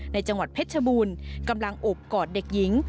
จังหวัดเพชรชบูรณ์กำลังอบกอดเด็กหญิง